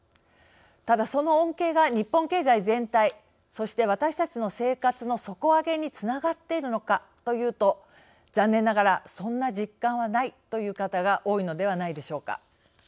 ただ、その恩恵が日本経済全体そして私たちの生活の底上げにつながっているのかというと残念ながら「そんな実感はない」という方が多いのではないでしょうか。